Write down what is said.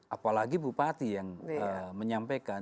apalagi bupati yang menyampaikan